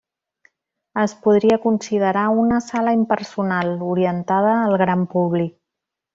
Es podria considerar una sala impersonal, orientada al gran públic.